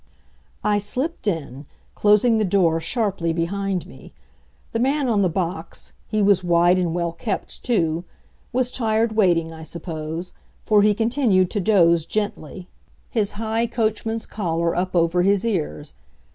I slipped in, closing the door sharply behind me. The man on the box he was wide and well kept, too was tired waiting, I suppose, for he continued to doze gently, his high coachman's collar up over his ears.